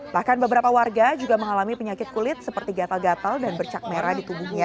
bahkan beberapa warga juga mengalami penyakit kulit seperti gatal gatal dan bercak merah di tubuhnya